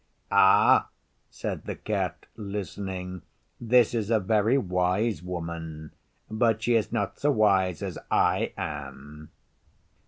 'Ah!' said the Cat, listening. 'This is a very wise Woman, but she is not so wise as I am.